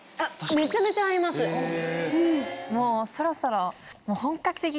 もうそろそろ。